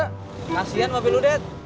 kasian mbak benudet